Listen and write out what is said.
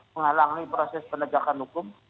menghalangi proses penegakan hukum